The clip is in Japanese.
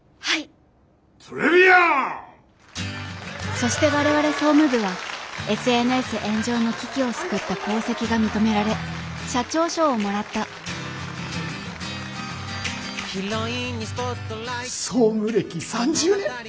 そして我々総務部はＳＮＳ炎上の危機を救った功績が認められ社長賞をもらった総務歴３０年。